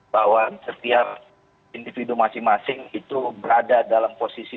bahwa setiap individu masing masing itu berada dalam posisi